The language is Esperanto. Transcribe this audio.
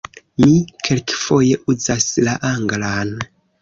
Mi kelkfoje uzas la anglan.